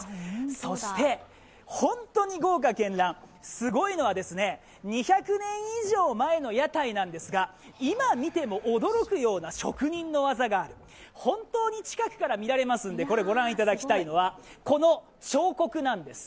そして、本当に豪華けんらん、すごいのは２００年以上前の屋台なんですが、今見ても、驚くような職人の技が本当に近くから見られますのでご覧いただきたいのはこの彫刻なんです。